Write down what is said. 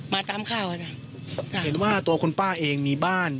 ตามข่าวอ่ะจ้ะเห็นว่าตัวคุณป้าเองมีบ้าน